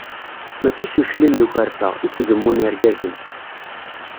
Mačči s uclim d ukerfa, i s gemmun irgazen.